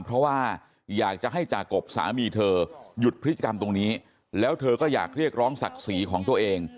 เพราะว่าอยากจะให้จากบสามีเธอหยุดพฤติกรรมตรงนี้แล้วเธอก็อยากเรียกร้องศักดิ์ศรีของตัวเอง